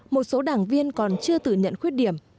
một số đảng viên còn chưa tử nhận khuyết điểm